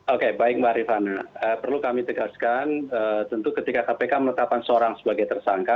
oke baik mbak rifana perlu kami tegaskan tentu ketika kpk menetapkan seorang sebagai tersangka